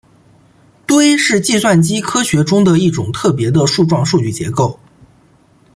堆是计算机科学中的一种特别的树状数据结构。